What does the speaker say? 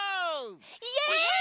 イエーイ！